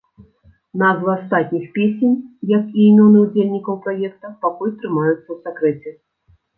Назвы астатніх песень, як і імёны ўдзельнікаў праекта, пакуль трымаюцца ў сакрэце.